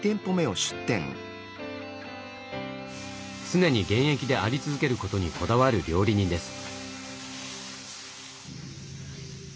常に現役であり続けることにこだわる料理人です。